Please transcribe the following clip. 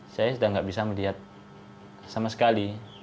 saya sudah tidak bisa melihat sama sekali